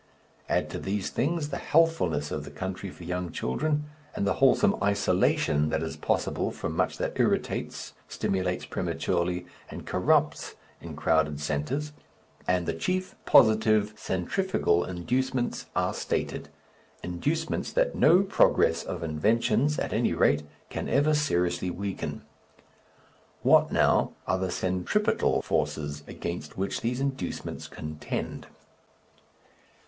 Add to these things the healthfulness of the country for young children, and the wholesome isolation that is possible from much that irritates, stimulates prematurely, and corrupts in crowded centres, and the chief positive centrifugal inducements are stated, inducements that no progress of inventions, at any rate, can ever seriously weaken. What now are the centripetal forces against which these inducements contend?